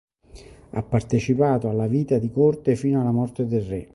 Ha partecipato alla vita di corte fino alla morte del re.